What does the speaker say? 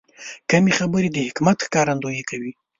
کمې خبرې، د حکمت ښکارندویي کوي.